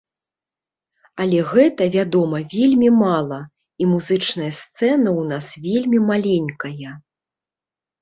Але гэта, вядома, вельмі мала, і музычная сцэна ў нас вельмі маленькая.